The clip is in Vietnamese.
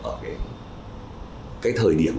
ở cái thời điểm